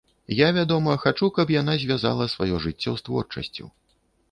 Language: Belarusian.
Я, вядома, хачу, каб яна звязала сваё жыццё з творчасцю.